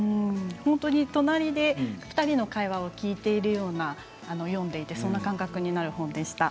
隣で２人の会話を聞いているような読んでいてそんな感覚になる本でした。